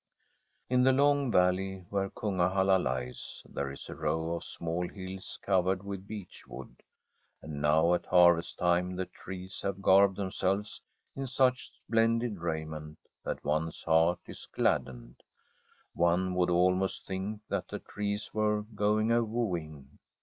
In the long valley where Kungahalla lies there is a row of small hills covered with beech wood. And now at harvest time the trees have garbed themselves in such splendid raiment that one's heart is gladdened. One would almost think that the trees were going a wooing.